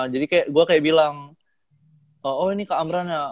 jadi gue kayak bilang oh ini kak amran ya